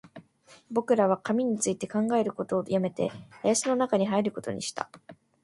僕らは紙について考えることを止めて、林の中に入ることにした